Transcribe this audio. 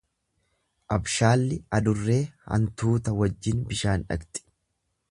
Abshaalli adurree hantuuta wajjin bishaan dhaqxi.